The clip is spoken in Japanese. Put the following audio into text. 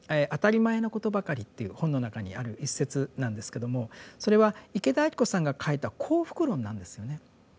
「あたりまえなことばかり」という本の中にある一節なんですけどもそれは池田晶子さんが書いた幸福論なんですよね。